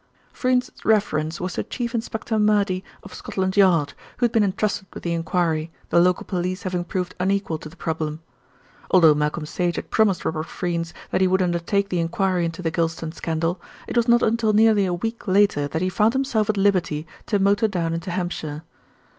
Freynes's reference was to Chief Inspector Murdy, of Scotland Yard, who had been entrusted with the enquiry, the local police having proved unequal to the problem. Although Malcolm Sage had promised Robert Freynes that he would undertake the enquiry into the Gylston scandal, it was not until nearly a week later that he found himself at liberty to motor down into Hampshire.